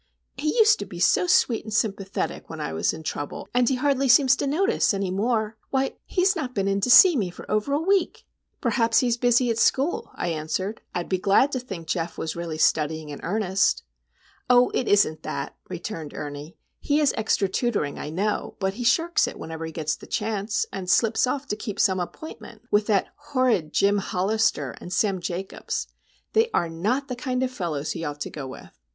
He used to be so sweet and sympathetic when I was in trouble; and he hardly seems to notice, any more. Why,—he's not been in to see me for over a week!" "Perhaps he is busy at school," I answered. "I'd be glad to think Geof was really studying in earnest." "Oh, it isn't that," returned Ernie. "He has extra tutoring, I know; but he shirks it whenever he gets the chance, and slips off to keep some appointment with that horrid Jim Hollister and Sam Jacobs. They are not the kind of fellows he ought to go with."